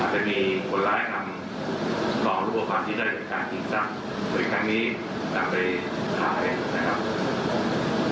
อาจจะมีผลล้ายตามห้องรูปภัณฑ์ที่ได้จัดการจริงสรรคอีกทางนี้ตามไปขายนะครับ